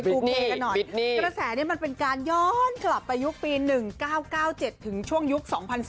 กระแสนี่มันเป็นการย้อนขลับไปยุคปี๑๙๙๗ถึงช่วงยุค๒๐๐๔